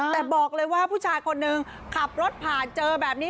แต่บอกเลยว่าผู้ชายคนนึงขับรถผ่านเจอแบบนี้